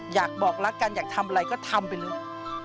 อยากบอกรักกันอยากทำอะไรก็ทำไปเลย